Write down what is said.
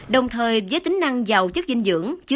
đồng thời với tính năng giàu chất dinh dưỡng